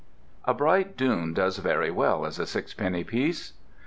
A bright dune does very well as a sixpenny piece.